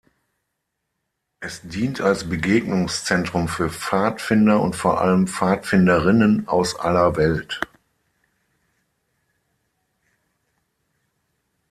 Es dient als Begegnungszentrum für Pfadfinder und vor allem Pfadfinderinnen aus aller Welt.